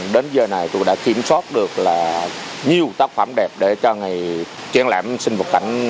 đến giờ này tôi đã kiểm soát được là nhiều tác phẩm đẹp để cho ngày triển lãm sinh vật cảnh